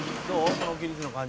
その起立の感じ。